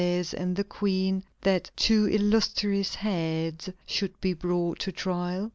and the Queen, that "two illustrious heads" should be brought to trial?